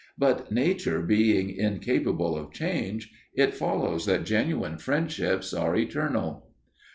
But nature being incapable of change, it follows that genuine friendships are eternal.